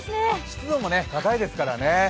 湿度も高いですからね。